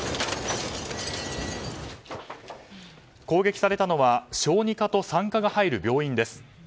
攻撃されたのは小児科と産科が入る病院です。